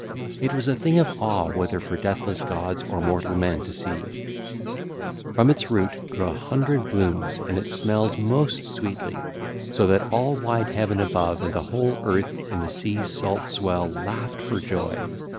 It was a thing of awe whether for deathless gods or mortal men to see: from its root grew a hundred blooms, and it smelled most sweetly, so that all wide heaven above and the whole earth and the sea's salt swell laughed for joy.